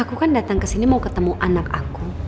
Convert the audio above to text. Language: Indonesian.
aku kan datang kesini mau ketemu anak aku